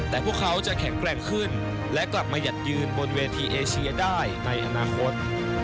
แต่พวกเขาจะแข็งแกร่งขึ้นและกลับมาหยัดยืนบนเวทีเอเชียได้ในอนาคต